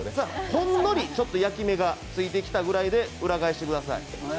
ほんのり、ちょっと焼き目がついてきたぐらいで裏返してください。